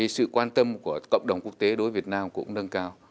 sự quan tâm của cộng đồng quốc tế đối với việt nam cũng nâng cao